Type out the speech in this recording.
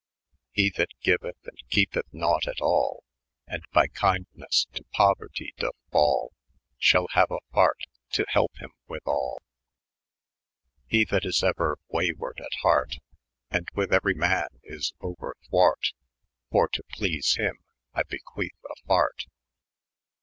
152 ' He that geueth, and kepeth nonght at all, And by kyndnes to pouerte dooth fall. Shall haue a fart, to helpe h3rm with all. 155 • He that is euer way ward at hart. And with euery man is ouerwart^ ; For to please hym, I bequethe a fart.